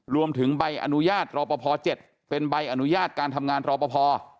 รวมถึงใบอนุญาตรอปภ๗เป็นใบอนุญาตการทำงานรอปภ